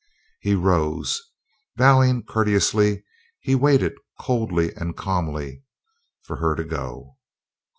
He rose. Bowing courteously, he waited, coldly and calmly, for her to go.